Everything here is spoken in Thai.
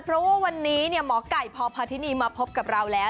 เพราะว่าวันนี้หมอไก่พพาธินีมาพบกับเราแล้ว